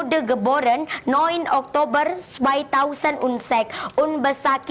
jerman ya kak pertama